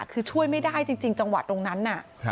คือช่วยไม่ได้จริงจังหวะตรงนั้นน่ะ